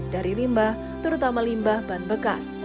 dari limbah terutama limbah ban bekas